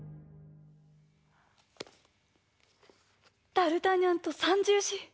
ダルタニャンと三銃士。